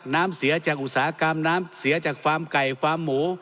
น้ำเสียจากอุตสาหกรรมน้ำเสียจากฟาร์มไก่ฟาร์มหมู